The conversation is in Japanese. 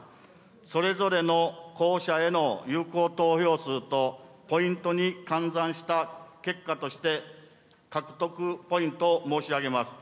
それぞれの候補者への有効投票数とポイントに換算した結果として、獲得ポイントを申し上げます。